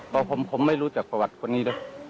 บอกผมไม่รู้จักประวัติคนนี้นะ